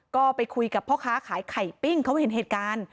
ก็ไปคุยกับพ่อค้าขายไข่ปิ้งเขาเห็นเหตุการณ์